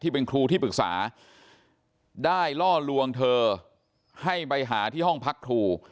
เป็นครูที่ปรึกษาได้ล่อลวงเธอให้ไปหาที่ห้องพักครู